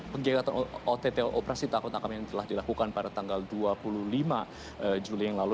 kegiatan ott operasi tangkap tangan yang telah dilakukan pada tanggal dua puluh lima juli yang lalu